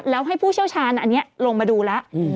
แล้วให้ผู้เชี่ยวชาญอันนี้ลงมาดูแล้ว